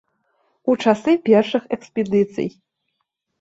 У часы першых экспедыцый.